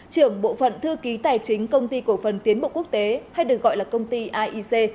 trưởng bộ phận thư ký tài chính công ty cổ phần tiến bộ quốc tế hay được gọi là công ty aic